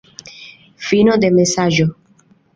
Fino de mesaĝo.